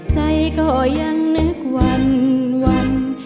ใจก็ยังนึกวัน